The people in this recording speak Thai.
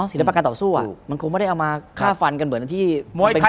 ศิลปะการต่อสู้มันคงไม่ได้เอามาฆ่าฟันกันเหมือนที่